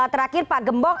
terakhir pak gembong